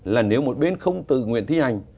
là nếu một bên không tự nguyện thi hành